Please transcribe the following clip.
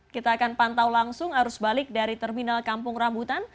kita akan pantau langsung arus balik dari terminal kampung rambutan